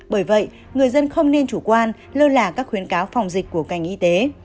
bởi vậy người dân không nên chủ quan lơ là các khuyến cáo phòng dịch của ngành y tế